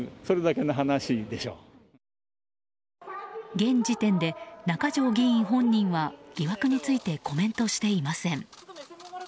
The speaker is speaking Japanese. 現時点で中条議員本人は疑惑についてコメントしていません。